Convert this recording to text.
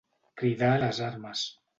Cridar a les armes.